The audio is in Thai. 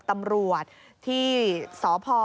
โดดลงรถหรือยังไงครับ